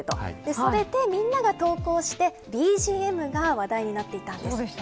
そしてみんなが投稿してＢＧＭが話題になっていたんです。